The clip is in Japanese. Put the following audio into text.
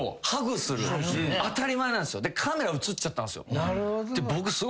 カメラうつっちゃったんすよ。